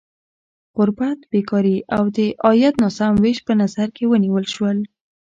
غربت، بېکاري او د عاید ناسم ویش په نظر کې ونیول شول.